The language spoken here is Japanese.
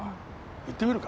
行ってみるか。